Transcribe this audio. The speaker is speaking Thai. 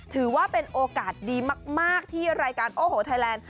ถือว่าเป็นโอกาสดีมากที่รายการโอ้โหไทยแลนด